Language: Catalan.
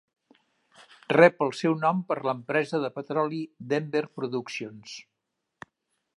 Rep el seu nom per l'empresa de petroli, Denver Productions.